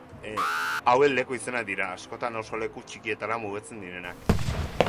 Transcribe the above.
Hauek leku-izenak dira, askotan oso leku txikietara mugatzen direnak.